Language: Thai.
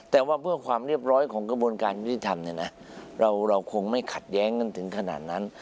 แต่ว่าเพื่อความเรียบร้อยของกระบวนการยุติธรรมเนี่ยนะเราคงไม่ขัดแย้งกันถึงขนาดนั้น